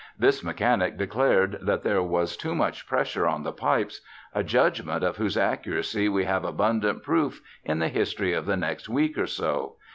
This mechanic declared that there was too much pressure on the pipes, a judgment of whose accuracy we have abundant proof in the history of the next week or so.